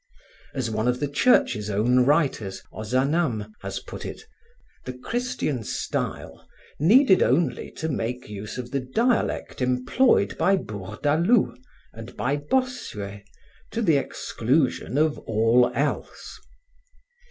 As one of the Church's own writers, Ozanam, has put it, the Christian style needed only to make use of the dialect employed by Bourdaloue and by Bossuet to the exclusion of all else.